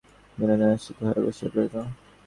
বিনোদিনী স্তম্ভিত হইয়া বসিয়া রহিল।